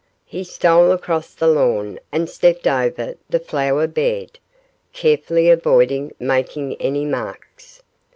He stole across the lawn and stepped over the flower bed, carefully avoiding making any marks.